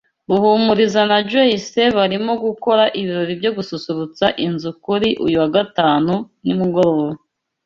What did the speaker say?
Ruhumuriza na Joyce barimo gukora ibirori byo gususurutsa inzu kuri uyu wa gatanu nimugoroba.